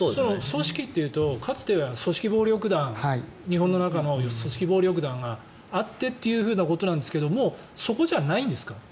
組織というとかつては組織暴力団日本の中の組織暴力団があってということでしたがそこじゃないんですか。